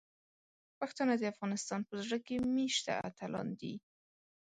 پښتانه د افغانستان په زړه کې میشته اتلان دي.